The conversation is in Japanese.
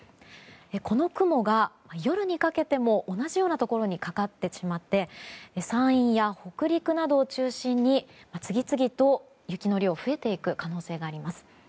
この雲が夜にかけても同じようなところにかかってしまって山陰や北陸などを中心に次々と雪の量が増えていく可能性があります。